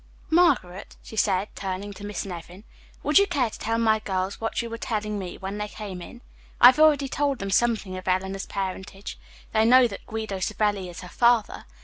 "Margaret," she said, turning to Miss Nevin, "would you care to tell my girls what you were telling me when they came in? I have already told them something of Eleanor's parentage. They know that Guido Savelli is her father.